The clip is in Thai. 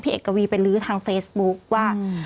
พี่เอกกับวีไปลื้อทางเฟซบุ๊กว่า